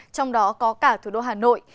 trong đó có cả thủ đô hà nội